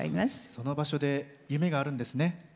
その場所で夢があるんですね？